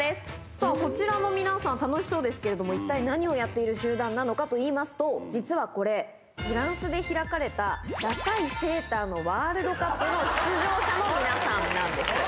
さあ、こちらの皆さん、楽しそうですけれども、一体何をやっている集団なのかといいますと、実はこれ、フランスで開かれたダサいセーターのワールドカップの出場者の皆さんなんです。